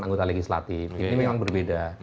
anggota legislatif ini memang berbeda